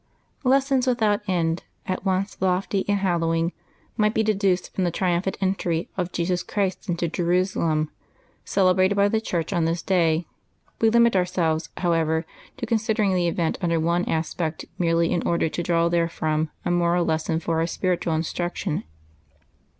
HESSONS without end, at once lofty and hallowing, might be deduced from the triumphant entry of Jesus Christ into Jerusalem, celebrated by the Church on this day; we limit ourselves, however, to considering the event under one aspect merely, in order to draw therefrom a moral lesson for our spiritual instruction.